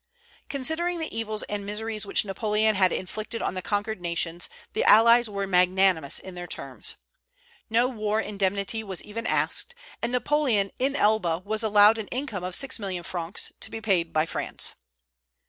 Considering the evils and miseries which Napoleon had inflicted on the conquered nations, the allies were magnanimous in their terms. No war indemnity was even asked, and Napoleon in Elba was allowed an income of six million francs, to be paid by France.